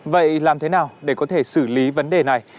vậy làm thế nào để có thể xử lý vấn đề này